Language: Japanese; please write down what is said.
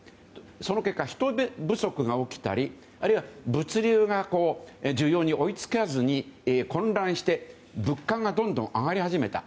その結果人手不足が起きたりあるいは物流が需要に追い付かずに、混乱して物価がどんどん上がり始めた。